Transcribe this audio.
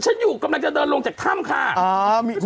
อยู่กำลังจะเดินลงจากถ้ำค่ะ